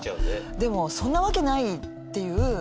でもそんな訳ないっていう。